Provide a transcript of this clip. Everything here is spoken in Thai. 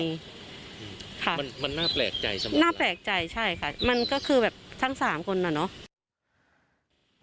มันน่าแปลกใจสมมุติน่าแปลกใจใช่ค่ะมันก็คือแบบทั้ง๓คนอ่ะเนอะ